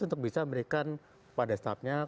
untuk bisa memberikan pada staffnya